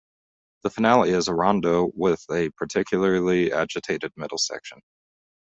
The finale is a rondo with a particularly agitated middle section.